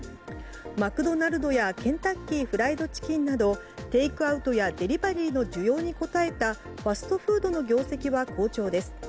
マクドナルドやケンタッキーフライドチキンなどテイクアウトやデリバリーの需要に応えたファストフードの業績は好調です。